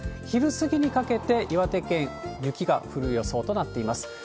昼過ぎにかけて、岩手県、雪が降る予想となっています。